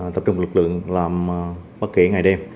tập trung lực lượng làm bất kỳ ngày đêm